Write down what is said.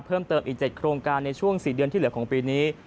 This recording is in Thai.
เพิ่มเติมอีก๗โครงการในช่วง๔เดือนที่เหลือของปีนี้